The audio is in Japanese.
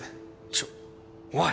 ちょっおい。